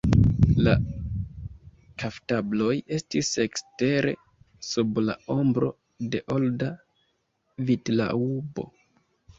La kaftabloj estis ekstere, sub la ombro de olda vitlaŭbo.